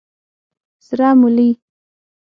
🫜 سره مولي